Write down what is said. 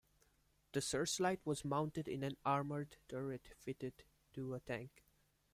The searchlight was mounted in an armoured turret fitted to a tank.